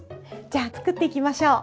じゃあ作っていきましょう。